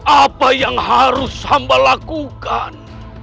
apa yang harus hamba lakukan